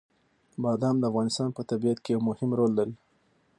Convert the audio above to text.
بادام د افغانستان په طبیعت کې یو مهم رول لري.